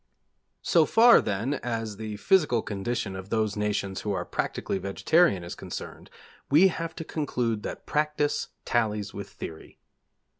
So far, then, as the physical condition of those nations who are practically vegetarian is concerned, we have to conclude that practice tallies with theory.